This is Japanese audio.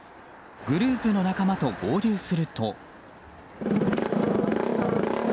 グループの仲間と合流すると。